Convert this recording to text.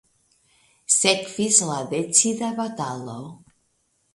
Sekvis la decida batalo.